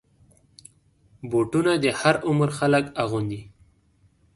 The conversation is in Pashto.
بوټونه د هر عمر خلک اغوندي.